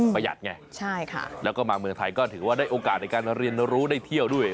ประหยัดไงใช่ค่ะแล้วก็มาเมืองไทยก็ถือว่าได้โอกาสในการเรียนรู้ได้เที่ยวด้วย